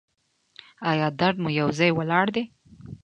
ایا درد مو یو ځای ولاړ دی؟